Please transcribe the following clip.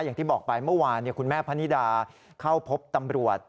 อย่างที่บอกไปเมื่อวานคุณแม่พนิดาเข้าพบตำรวจ